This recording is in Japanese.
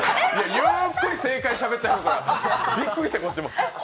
ゆっくり正解しゃべってるから、びっくりしてこっちも。